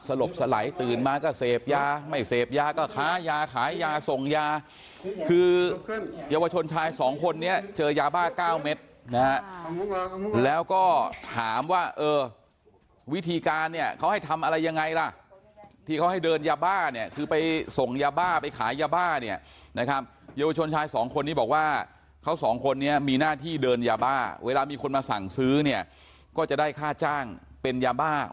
ลบสลายตื่นมาก็เสพยาไม่เสพยาก็ค้ายาขายยาส่งยาคือเยาวชนชายสองคนนี้เจอยาบ้า๙เม็ดนะฮะแล้วก็ถามว่าเออวิธีการเนี่ยเขาให้ทำอะไรยังไงล่ะที่เขาให้เดินยาบ้าเนี่ยคือไปส่งยาบ้าไปขายยาบ้าเนี่ยนะครับเยาวชนชายสองคนนี้บอกว่าเขาสองคนนี้มีหน้าที่เดินยาบ้าเวลามีคนมาสั่งซื้อเนี่ยก็จะได้ค่าจ้างเป็นยาบ้า